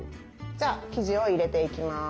じゃあ生地を入れていきます。